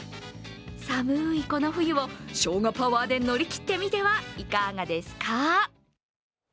寒いこの冬をしょうがパワーで乗り切ってみてはいかがですか？